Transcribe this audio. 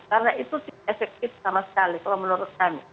karena itu tidak efektif sama sekali kalau menurut kami